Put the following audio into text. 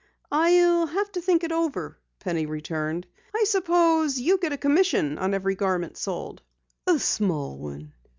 "I'll have to think it over," Penny returned. "I suppose you get a commission on every garment sold?" "A small one.